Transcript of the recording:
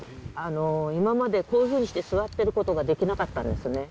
今まで、こういうふうにして座ってることができなかったんですね。